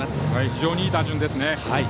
非常にいい打順ですね。